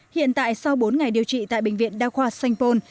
hiện tại sau bốn ngày điều trị tại bệnh viện đa khoa sanh pôn